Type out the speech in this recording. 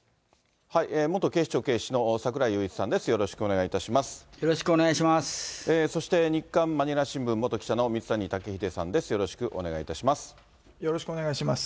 元警視庁警視の櫻井裕一さんです、よろしくお願いいたします。